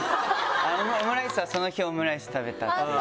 「オムライス！」はその日オムライス食べたっていう。